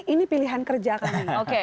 ini pilihan kerja kami